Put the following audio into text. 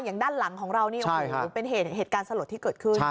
อย่างด้านหลังของเรานี่โอ้โหเป็นเหตุการณ์สลดที่เกิดขึ้น